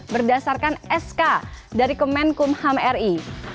berdasarkan sk dari kemenkum ham ri